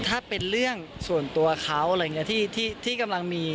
ถ้าเป็นเรื่องส่วนตัวเขาอะไรอย่างนี้ที่กำลังมี